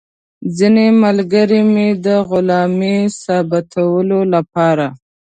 ځینې ملګري مې د غلامۍ ثابتولو لپاره.